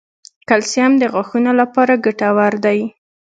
کلسیم د غاښونو لپاره ګټور دی